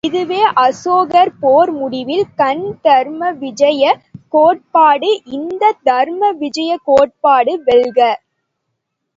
இதுவே அசோகர் போர் முடிவில் கண் தர்ம விஜயக் கோட்பாடு இந்தத் தர்ம விஜயக் கோட்பாடு வெல்க!